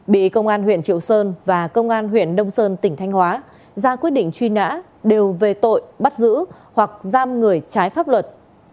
bị công an huyện triệu sơn và công an huyện đông sơn tỉnh thanh hóa ra quyết định truy nã đều về tội bắt giữ hoặc giam người trái pháp luật